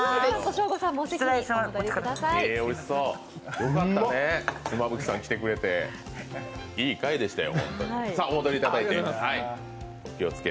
よかったね、妻夫木さん来てくれて、いい回でしたよ。